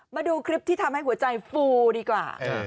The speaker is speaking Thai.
มาดูคลิปที่ทำให้หัวใจฟูดีกว่า